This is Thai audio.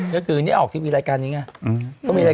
ก็คือนี่ออกทีวีรายการนี้ไง